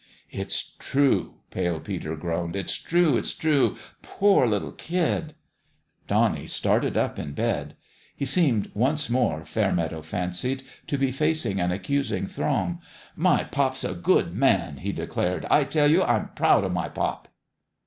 "It's true!" Pale Peter groaned. "It's true ! It's true ! Poor little kid !" Donnie started up in bed. He seemed once more, Fairmeadow fancied, to be facing an accus ing throng. "My pop's a good man!" he de clared. " I tell you, I'm proud of my pop